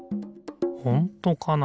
ほんとかな？